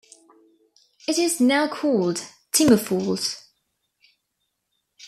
It is now called Timber Falls.